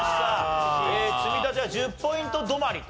積み立ては１０ポイント止まりと。